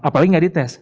apalagi gak dites